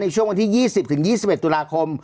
ช่วงวันที่๒๐๒๑ตุลาคม